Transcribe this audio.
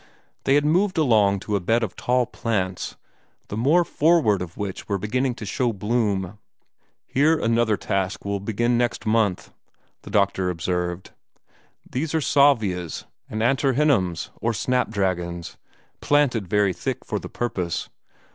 They had moved along to a bed of tall plants, the more forward of which were beginning to show bloom. "Here another task will begin next month," the doctor observed. "These are salvias, pentstemons, and antirrhinums, or snapdragons, planted very thick for the purpose.